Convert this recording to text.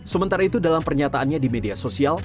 sementara itu dalam pernyataannya di media sosial